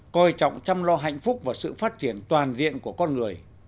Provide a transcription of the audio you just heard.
coi trọng chăm lo hạnh phúc và sự phát triển toàn diện của con người